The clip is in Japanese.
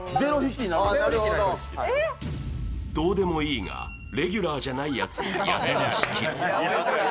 どうでもいいが、レギュラーじゃないやつがやたら仕切る。